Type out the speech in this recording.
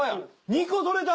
２個採れた！